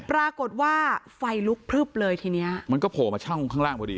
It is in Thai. ปรากฏว่าไฟลุกพลึบเลยทีเนี้ยมันก็โผล่มาช่องข้างล่างพอดี